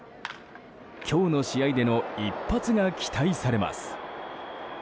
今日の試合での一発が期待されます。